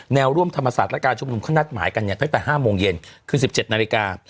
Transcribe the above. แนวร่วมธรรมศาสตร์และการชุมนุมเขานัดหมายกันเนี่ยตั้งแต่๕โมงเย็นคือ๑๗นาฬิกา